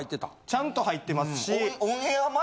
ちゃんと入ってますし。